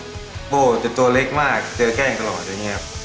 โบ้จะตัวเล็กมากเจอแกล้งตลอดอย่างนี้ครับ